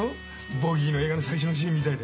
ボギーの映画の最初のシーンみたいで。